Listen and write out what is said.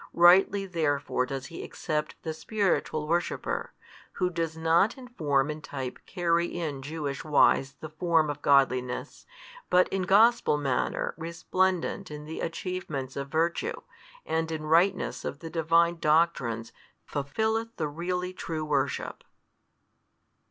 Rightly therefore does He accept the spiritual worshipper, who does not in form and type carry in Jewish wise the form of godliness, but in Gospel manner resplendent in the achievements of virtue and in rightness of the Divine doctrines fulfilleth the really true worship.